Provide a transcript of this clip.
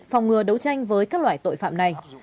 phòng ngừa đấu tranh với các loại tội phạm này